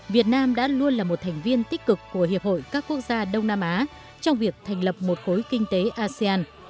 việt nam đã luôn là một thành viên tích cực của hiệp hội các quốc gia đông nam á trong việc thành lập một khối kinh tế asean